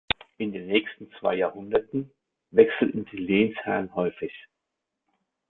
In den nächsten zwei Jahrhunderten wechselten die Lehnsherrn häufig.